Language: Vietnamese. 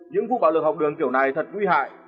những vụ bạo lực học đường kiểu này thật nguy hại